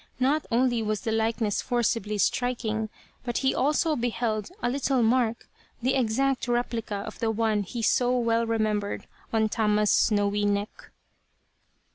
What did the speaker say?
Not only was the likeness forcibly striking, but he also beheld a little mark, the exact replica of the one he so well remembered on Tama's snowy neck.